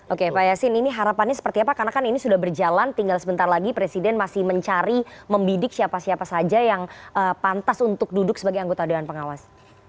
oke pak yasin ini harapannya seperti apa karena kan ini sudah berjalan tinggal sebentar lagi presiden masih mencari membidik siapa siapa saja yang pantas untuk duduk sebagai anggota dewan pengawas